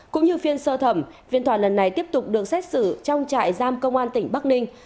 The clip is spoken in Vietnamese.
cũng như phiên sơ thẩm phiên tòa lần này tiếp tục được xét xử trong trại giam công an tỉnh bắc ninh